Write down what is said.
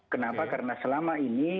kenapa karena selama ini